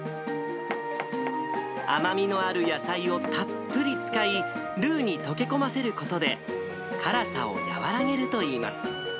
甘みのある野菜をたっぷり使い、ルーに溶け込ませることで、辛さを和らげるといいます。